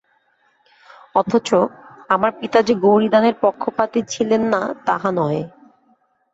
অথচ, আমার পিতা যে গৌরীদানের পক্ষপাতী ছিলেন না তাহা নহে।